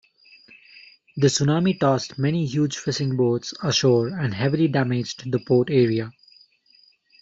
The tsunami tossed many huge fishing boats ashore and heavily damaged the port area.